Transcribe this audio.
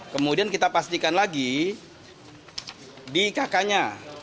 kemudian kita pastikan lagi di kk nya